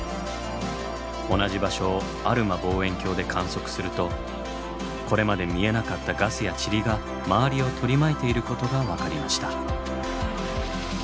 同じ場所をアルマ望遠鏡で観測するとこれまで見えなかったガスやちりが周りを取り巻いていることが分かりました。